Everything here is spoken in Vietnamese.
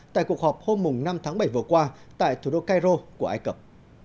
tại cuộc họp hôm năm tháng bảy vừa qua tại thủ đô cairo của ai cập